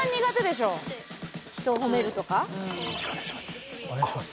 よろしくお願いします。